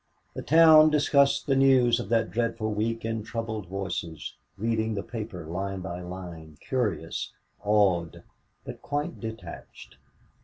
The town discussed the news of that dreadful week in troubled voices, reading the paper line by line, curious, awed but quite detached.